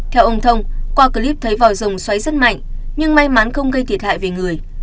theo ông thông qua clip thấy vòi rồng xoáy rất mạnh nhưng may mắn không gây thiệt hại về người